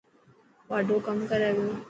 واڍو ڪم ڪري پيو.